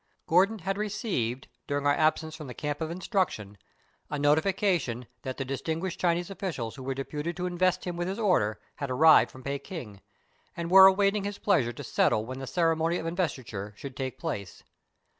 Gordon had received during our absence from the camp of instruction a noti fication that the distinguished Chinese officials who were deputed to invest him with his order had arrived from Peking, and were awaiting his pleasure to settle when the ceremony of investiture should take place.